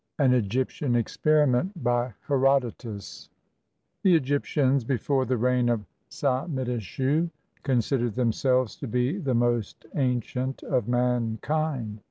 AN EGYPTIAN EXPERIMENT BY HERODOTUS The Egyptians, before the reign of Psammitichus, con sidered themselves to be the most ancient of mankind.